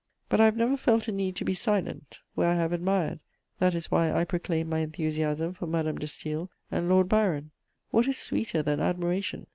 But I have never felt a need to be silent, where I have admired; that is why I proclaim my enthusiasm for Madame de Staël and Lord Byron. What is sweeter than admiration?